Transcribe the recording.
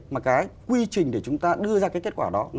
mà cái quy trình để chúng ta đưa ra cái kết quả đó